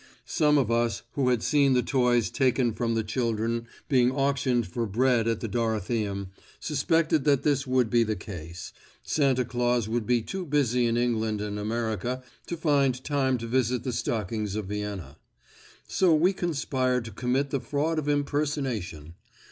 Some of us who had seen the toys taken from the children being auctioned for bread at the Dorotheum, suspected that this would be the case—Santa Claus would be too busy in England and America to find time to visit the stockings of Vienna; so we conspired to commit the fraud of impersonation.